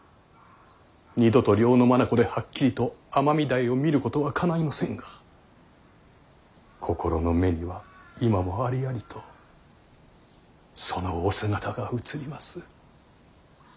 二度と両の眼ではっきりと尼御台を見ることはかないませんが心の目には今もありありとそのお姿が映ります。